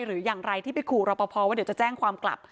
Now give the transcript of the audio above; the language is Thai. หรืออย่างไรที่ไปขู่รอปภว่าเดี๋ยวจะแจ้งความกลับ